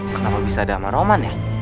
kenapa bisa ada sama roman ya